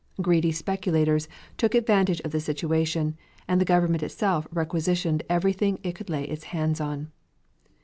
Greedy speculators took advantage of the situation, and the government itself requisitioned everything it could lay its hands on.